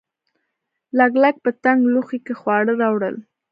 لګلګ په تنګ لوښي کې خواړه راوړل.